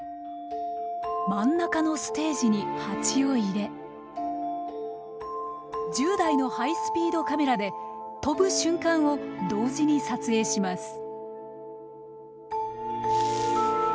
真ん中のステージにハチを入れ１０台のハイスピードカメラで飛ぶ瞬間を同時に撮影します。